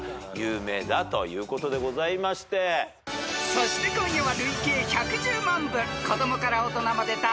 ［そして今夜は］